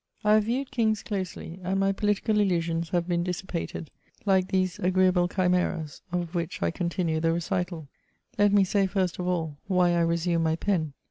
I have viewed kings closely, and my political illusions have been dissipated, like these agreeable chimeras of which I con tinue the recital. Let me say, first of all, why I resume my pen.